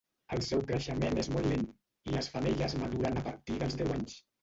El seu creixement és molt lent, i les femelles maduren a partir dels deu anys.